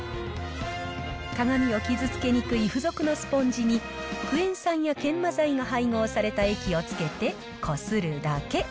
鏡を傷つけにくい付属のスポンジに、クエン酸や研磨剤が配合された液をつけてこするだけ。